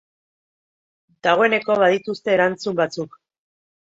Dagoeneko badituzte erantzun batzuk.